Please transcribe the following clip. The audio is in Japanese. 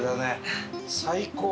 最高！